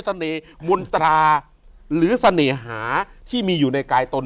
มนตราหรือเสน่หาที่มีอยู่ในกายตน